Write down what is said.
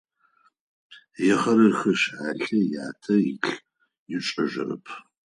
Ехъырэхъышалэ ятэ ылъ ышӏэжьырэп.